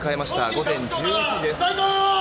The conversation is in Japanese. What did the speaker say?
午前１１時です。